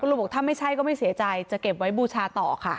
ลุงบอกถ้าไม่ใช่ก็ไม่เสียใจจะเก็บไว้บูชาต่อค่ะ